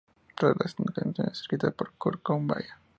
Todas las canciones escritas por Kurt Cobain.